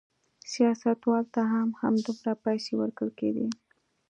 سیاستوالو ته هم همدومره پیسې ورکول کېدې.